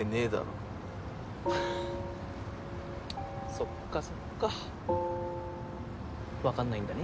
そっかそっかわかんないんだね